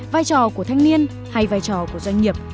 vai trò của thanh niên hay vai trò của doanh nghiệp